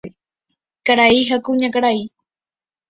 Karai ha kuñakarai.